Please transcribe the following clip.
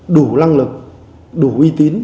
đủ lăng lực đủ uy tín